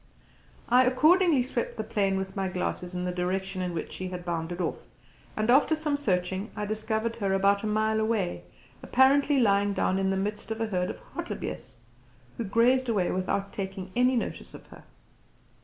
I accordingly swept the plain with my glasses in the direction in which she had bounded off, and after some searching I discovered her about a mile away, apparently lying down in the midst of a herd of hartebeeste, who grazed away without taking any notice of her.